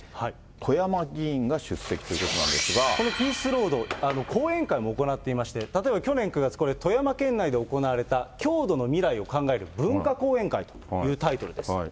富山議員が出席ということなんでこのピースロード、講演会も行っていまして、たとえば去年９月、これ、富山県内で行われた郷土の未来を考える文化講演会というタイトルです。